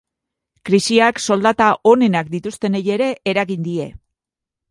Krisiak soldata onenak dituztenei ere eragin die.